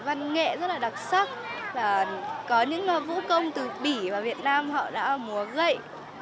văn nghệ rất là đặc sắc và có những vũ công từ bỉ và việt nam họ đã múa gậy